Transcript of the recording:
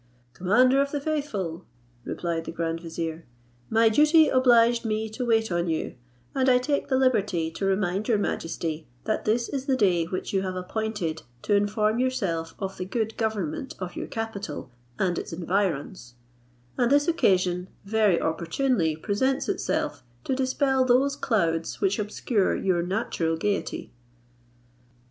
"Commander of the faithful," replied the grand vizier, "my duty obliged me to wait on you, and I take the liberty to remind your majesty, that this is the day which you have appointed to inform yourself of the good government of your capital and its environs; and this occasion very opportunely presents itself to dispel those clouds which obscure your natural gaiety."